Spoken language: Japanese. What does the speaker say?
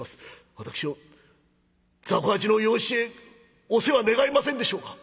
私を雑穀八の養子へお世話願えませんでしょうか」。